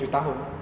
gue tujuh tahun